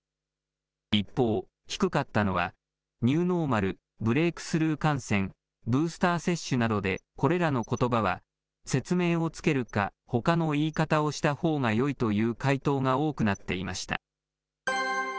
一方、低かったのは、ニューノーマル、ブレークスルー感染、ブースター接種などで、これらのことばは説明を付けるか、ほかの言い方をしたほうがよいという回答が多くなっていました。